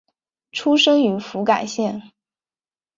出身于福冈县。